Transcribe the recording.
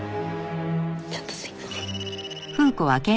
ちょっとすいません。